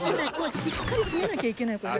しっかり閉めなきゃいけない。